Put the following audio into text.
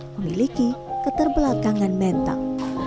memiliki keterbelakangan mental